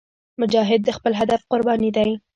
مجاهد د خپل هدف قرباني دی.